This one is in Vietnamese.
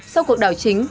sau cuộc đảo chính